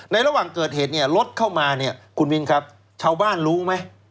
ระหว่างเกิดเหตุเนี่ยรถเข้ามาเนี่ยคุณมินครับชาวบ้านรู้ไหม